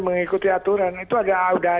mengikuti aturan itu ada